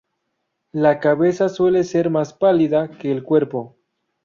La cabeza suele ser más pálida que el cuerpo.